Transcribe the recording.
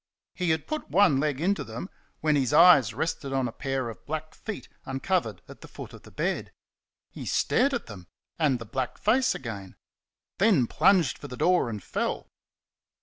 He had put one leg into them when his eyes rested on a pair of black feet uncovered at the foot of the bed. He stared at them and the black face again then plunged for the door and fell.